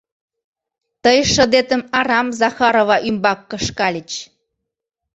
Тый шыдетым арам Захарова ӱмбак кышкальыч.